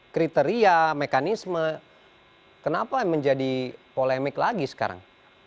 kriteria mekanisme kenapa menjadi polemik lagi sekarang